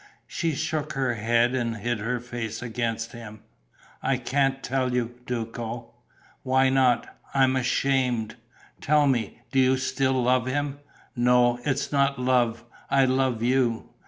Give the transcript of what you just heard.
She shook her head and hid her face against him: "I can't tell you, Duco." "Why not?" "I'm ashamed." "Tell me; do you still love him?" "No, it's not love. I love you."